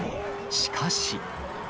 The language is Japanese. しかし。